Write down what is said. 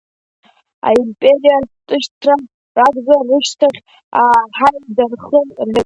Аимпериа зтәышьҭраз ракәзар, рышьҭахь ааҳаиадырхан, — рҳәеит.